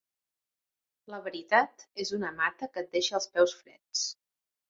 La veritat és una mata que et deixa els peus freds.